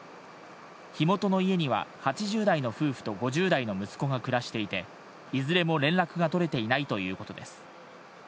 火元の家には、８０代の夫婦と５０代の息子が暮らしていて、いずれも連絡が取れていないということです。